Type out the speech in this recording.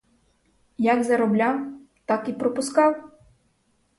Як заробляв, так і пропускав!